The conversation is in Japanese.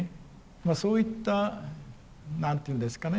まあそういった何て言うんですかね